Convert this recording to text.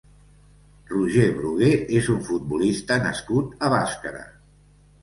Roger Brugué és un futbolista nascut a Bàscara.